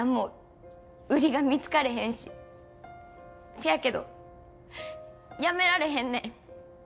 せやけどやめられへんねん。